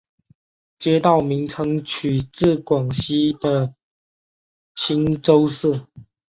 街道名称取自广西的钦州市。